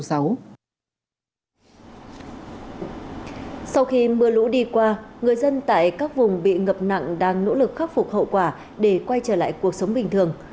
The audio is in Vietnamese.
sau khi mưa lũ đi qua người dân tại các vùng bị ngập nặng đang nỗ lực khắc phục hậu quả để quay trở lại cuộc sống bình thường